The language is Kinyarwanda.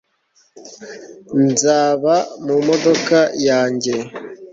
Nzaba mu modoka yanjye